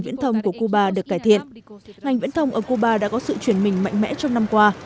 viễn thông của cuba được cải thiện ngành viễn thông ở cuba đã có sự chuyển mình mạnh mẽ trong năm qua